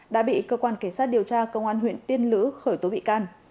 đã bị cơ quan cảnh sát điều tra công an huyện tiên lữ khởi tố bị can